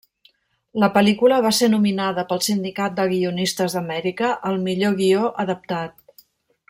La pel·lícula va ser nominada pel Sindicat de Guionistes d'Amèrica al millor guió adaptat.